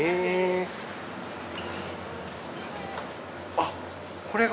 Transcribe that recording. あっこれが。